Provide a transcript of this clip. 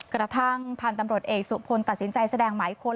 กระทั่งพันธุ์ตำรวจเอกสุพลตัดสินใจแสดงหมายค้น